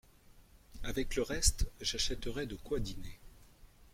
Avec le reste j'achèterai de quoi dîner.